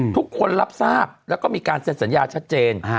ทุกคนรับทราบแล้วก็มีการเซ็นสัญญาชัดเจน